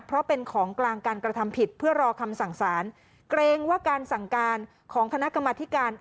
เพราะเป็นของกลางการกระทำผิดเพื่อรอคำสั่งสารเกรงว่าการสั่งการของคณะกรรมธิการ